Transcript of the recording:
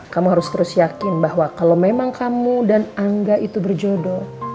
kamu harus terus yakin bahwa kalau memang kamu dan angga itu berjodoh